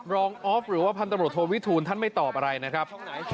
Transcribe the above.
ออฟหรือว่าพันตำรวจโทวิทูลท่านไม่ตอบอะไรนะครับ